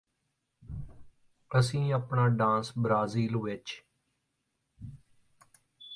ਅਸੀਂ ਆਪਣਾ dance Brazil ਵਿੱਚ